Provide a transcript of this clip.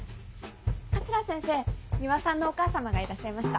桂先生ミワさんのお母様がいらっしゃいました。